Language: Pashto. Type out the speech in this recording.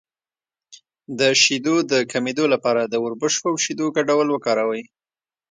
د شیدو د کمیدو لپاره د وربشو او شیدو ګډول وکاروئ